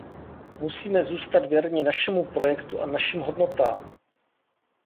Musíme zůstat věrni našemu projektu a našim hodnotám.